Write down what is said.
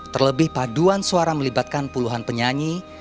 terlebih paduan suara melibatkan puluhan penyanyi